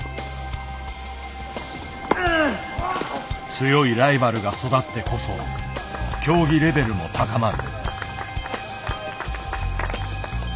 強いライバルが育ってこそ競技レベルも高まる。